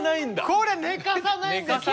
これ寝かさないんです。